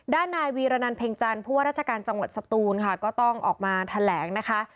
ด้านนายวีรนันเพ็งจันทร์ผู้ว่าราชการจังหวัดสตูนค่ะก็ต้องออกมาแถลงนะคะ